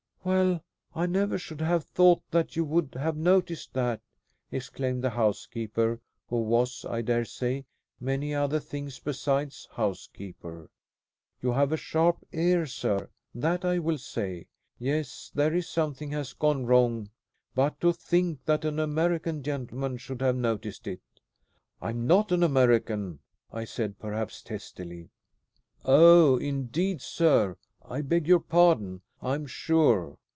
"Well, I never should have thought that you would have noticed that!" exclaimed the housekeeper, who was, I dare say, many other things besides housekeeper. "You have a sharp ear, sir; that I will say. Yes, there is a something has gone wrong; but to think that an American gentleman should have noticed it!" "I am not an American," I said, perhaps testily. "Oh, indeed, sir! I beg your pardon, I am sure.